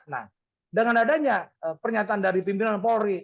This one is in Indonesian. nah dengan adanya pernyataan dari pimpinan polri